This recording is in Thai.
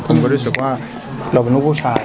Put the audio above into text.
ผมก็รู้สึกว่าเราเป็นลูกผู้ชาย